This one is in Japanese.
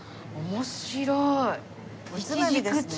面白い！